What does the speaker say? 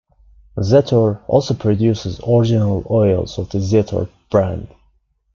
Zetor also produces original oils of the Zetor brand.